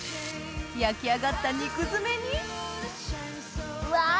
焼き上がった肉詰めにうわ！